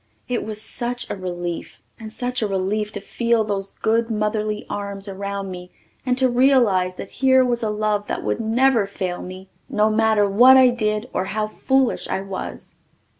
It was such a relief, and such a relief to feel those good motherly arms around me and to realize that here was a love that would never fail me no matter what I did or how foolish I was.